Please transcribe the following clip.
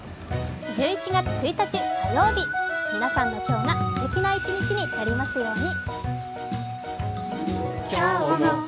１１月１日火曜日、皆さんの今日がすてきな一日になりますように。